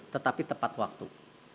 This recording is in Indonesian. tetapi tepat waktu